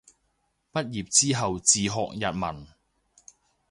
畢業之後自學日文